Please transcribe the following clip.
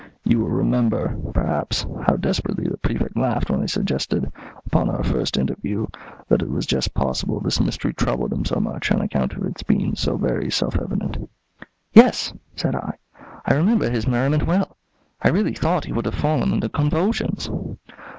You will remember, perhaps, how desperately the Prefect laughed when I suggested, upon our first interview, that it was just possible this mystery troubled him so much on account of its being so very self evident." "Yes," said I, "I remember his merriment well. I really thought he would have fallen into convulsions."